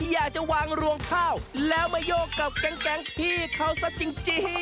อยากจะวางรวงข้าวแล้วมาโยกกับแก๊งพี่เขาซะจริง